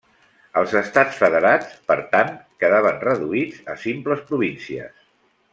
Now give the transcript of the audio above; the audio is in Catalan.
Els estats federats, per tant, quedaven reduïts a simples províncies.